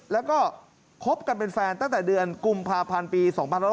แล้วก็คบกันเป็นแฟนตั้งแต่เดือนกุมภาพันธ์ปี๒๕๖๐